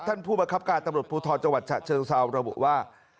ผู้บังคับการตำรวจภูทรจังหวัดฉะเชิงเซาระบุว่า